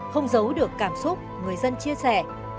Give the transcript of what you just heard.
không giấu được cảm xúc người dân chia sẻ